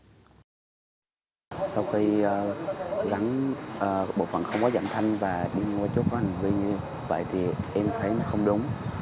sau khi gắn bộ phận không có giảm thanh và đi qua chỗ có hành vi như vậy thì em thấy không đúng